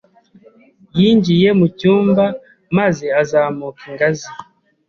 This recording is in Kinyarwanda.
Yinjiye mu cyumba maze azamuka ingazi.